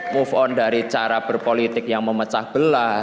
move on dari cara berpolitik yang memecah belah